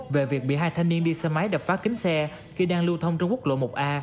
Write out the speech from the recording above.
về việc bị hai thanh niên đi xe máy đập phá kính xe khi đang lưu thông trên quốc lộ một a